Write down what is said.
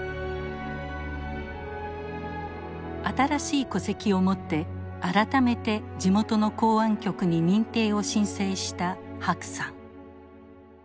新しい戸籍を持って改めて地元の公安局に認定を申請した白さん。